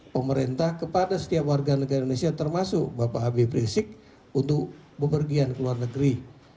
pemerintah kepada setiap warga negara indonesia termasuk bapak habib rizik untuk bepergian ke luar negeri